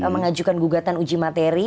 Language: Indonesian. mengajukan gugatan uji materi